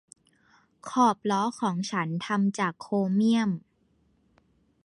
ขอบล้อของฉันทำจากโครเมี่ยม